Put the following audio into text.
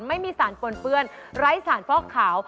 ไม่มีสารปนเปื้อนไร้สารฟอกขาว